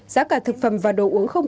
giá cả thực phẩm và đồ uống không đủ